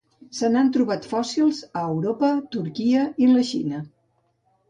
Se n'han trobat fòssils a Europa, Turquia i la Xina.